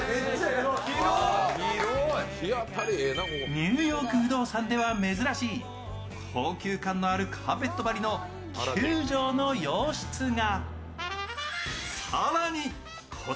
「ニューヨーク不動産」では珍しい高級感のあるカーペット張りの９畳の洋室が。